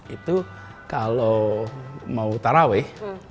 itu kalau mau taraweh